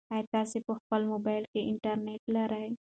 ایا تاسي په خپل موبایل کې انټرنيټ لرئ؟